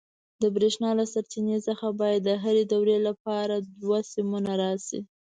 د برېښنا له سرچینې څخه باید د هرې دورې لپاره دوه سیمونه راشي.